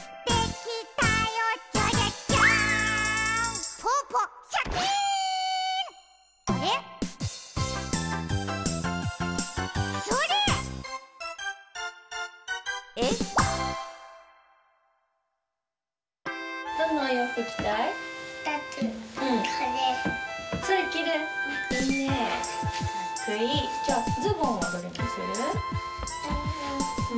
きょうズボンはどれにする？